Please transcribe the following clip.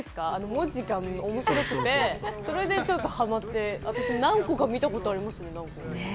文字が面白くて、それでちょっとハマって、私、何個か見たことありますね。